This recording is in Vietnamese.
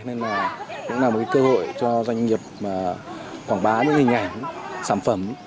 nên là cũng là một cơ hội cho doanh nghiệp quảng bá những hình ảnh sản phẩm